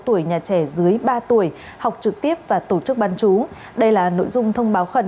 tuổi nhà trẻ dưới ba tuổi học trực tiếp và tổ chức bán chú đây là nội dung thông báo khẩn